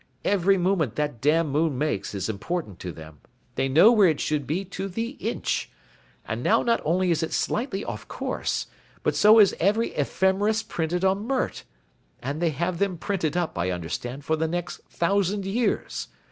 Every movement that damn moon makes is important to them, they know where it should be to the inch. And now not only is it slightly off course, but so is every ephemeris printed on Mert. And they have them printed up, I understand, for the next thousand years.